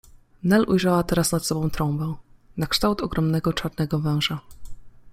Nel ujrzała teraz nad sobą trąbę, na kształt ogromnego czarnego węża.